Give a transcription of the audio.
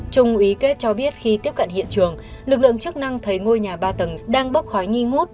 trung úy kết cho biết khi tiếp cận hiện trường lực lượng chức năng thấy ngôi nhà ba tầng đang bốc khói nghi ngút